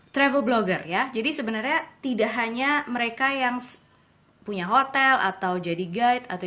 travel blogger ya jadi sebenarnya tidak hanya mereka yang punya hotel atau jadi guide atau